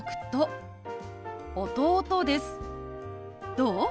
どう？